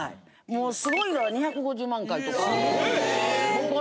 もうすごいのは２５０万回とか。